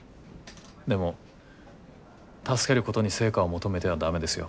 でも助けることに成果を求めては駄目ですよ。